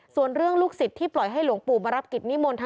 ส่วนเรื่องลูกศิษย์ที่ปล่อยให้หลวงปู่มารับกิจนิมนต์